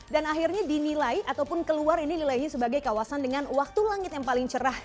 dan akhirnya dinilai ataupun keluar ini nilainya sebagai kawasan dengan waktu langit yang paling cerah